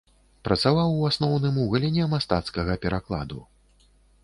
Працаваў у асноўным у галіне мастацкага перакладу.